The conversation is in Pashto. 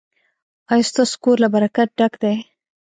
ایا ستاسو کور له برکت ډک دی؟